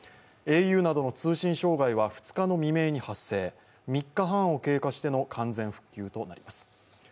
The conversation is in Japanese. ａｕなどの通信障害は２日未明に発生３日半を経過しての完全復旧となります。